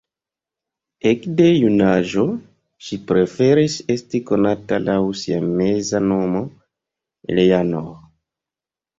Ekde junaĝo, ŝi preferis esti konata laŭ sia meza nomo, Eleanor.